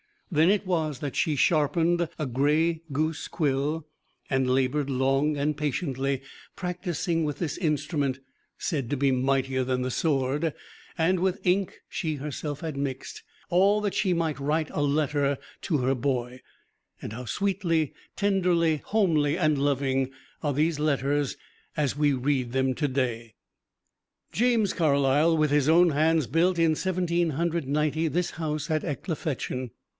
Then it was that she sharpened a gray goose quill and labored long and patiently, practising with this instrument (said to be mightier than the sword) and with ink she herself had mixed all that she might write a letter to her boy; and how sweetly, tenderly homely, and loving are these letters as we read them today! James Carlyle with his own hands built, in Seventeen Hundred Ninety, this house at Ecclefechan.